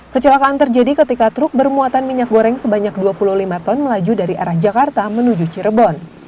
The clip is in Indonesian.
kecelakaan terjadi ketika truk bermuatan minyak goreng sebanyak dua puluh lima ton melaju dari arah jakarta menuju cirebon